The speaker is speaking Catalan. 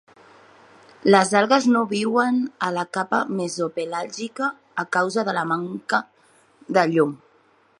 Les algues no viuen a la capa mesopelàgica a causa de la manca de llum.